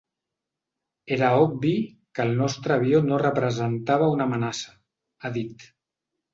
Era obvi que el nostre avió no representava una amenaça, ha dit.